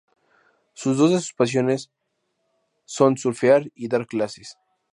Sus dos de sus pasiones son surfear y dar clases.